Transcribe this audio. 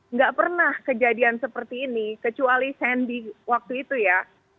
nggak pernah kejadian seperti ini kecuali sandy waktu itu ya